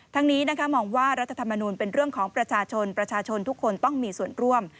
ทั้งนี้มองว่ารัฐธรรมนูลเป็นเรื่องของประชาชนประชาชนทุกคนต้องมีส่วนร่วม